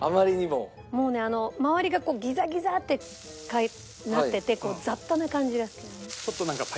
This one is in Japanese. もうねあの周りがこうギザギザってなってて雑多な感じが好きなのね。